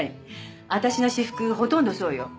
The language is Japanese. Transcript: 私の私服ほとんどそうよ。